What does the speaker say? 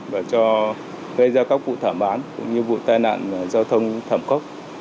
và gây ra các vụ thảm án cũng như vụ tai nạn giao thông thảm khốc